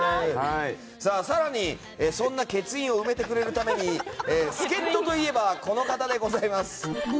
更に、そんな欠員を埋めてくれるために助っ人といえばこの方でございます。